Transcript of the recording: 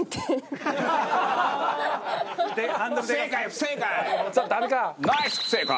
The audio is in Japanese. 不正解不正解！